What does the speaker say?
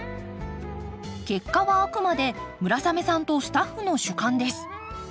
結果はあくまで村雨さんとスタッフの主観です。